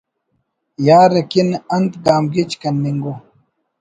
یار کن انت گام گیج کننگ ءُ